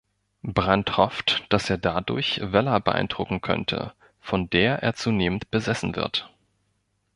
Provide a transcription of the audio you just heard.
Brand hofft, dass er dadurch Weller beeindrucken könnte, von der er zunehmend besessen wird.